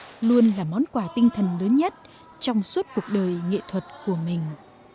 đó luôn là món quà tinh thần lớn nhất trong suốt cuộc đời nghệ thuật của mình